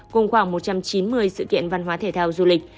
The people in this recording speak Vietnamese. cùng khoảng một trăm chín mươi sự kiện văn hóa thể thao du lịch